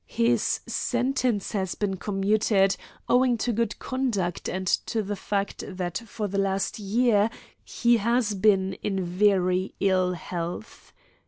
His sentence has been commuted, owing to good conduct and to the fact that for the last year he has been in very ill health.